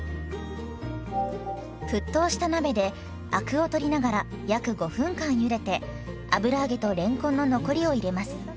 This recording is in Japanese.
沸騰した鍋でアクを取りながら約５分間ゆでて油揚げとれんこんの残りを入れます。